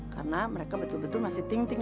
karena mereka betul betul masih ting ting